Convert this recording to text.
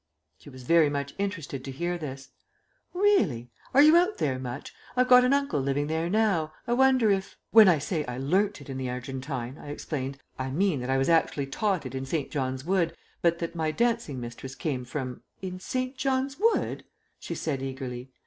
She was very much interested to hear this. "Really? Are you out there much? I've got an uncle living there now. I wonder if " "When I say I learnt it in the Argentine," I explained, "I mean that I was actually taught it in St. John's Wood, but that my dancing mistress came from " "In St. John's Wood?" she said eagerly.